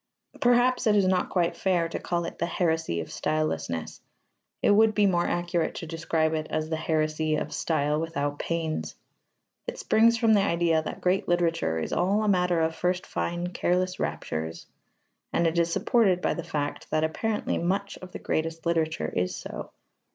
Perhaps it is not quite fair to call it the heresy of stylelessness: it would be more accurate to describe it as the heresy of style without pains. It springs from the idea that great literature is all a matter of first fine careless raptures, and it is supported by the fact that apparently much of the greatest literature is so.